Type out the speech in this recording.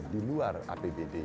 di luar apbd